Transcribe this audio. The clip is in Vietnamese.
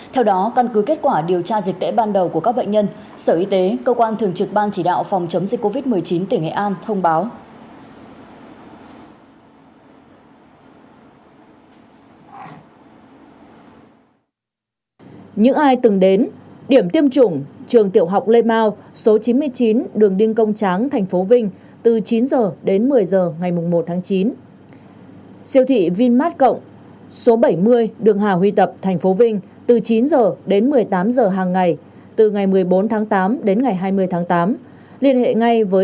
theo đó căn cứ kết quả điều tra dịch tễ ban đầu của các bệnh nhân sở y tế cơ quan thường trực ban chỉ đạo phòng chống dịch covid một mươi chín tỉnh nghệ an thông báo